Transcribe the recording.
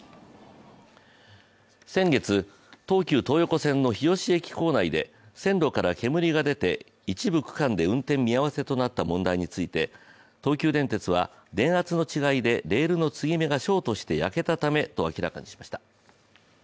先月、東急東横線の日吉駅構内で線路から煙が出て一部区間で運転見合わせとなった問題について東急電鉄は電圧の違いでレールの継ぎ目がショートして焼けたためと明らかにしました。